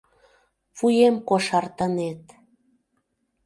Вуем кошартынет...